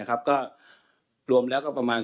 มีพฤติกรรมเสพเมถุนกัน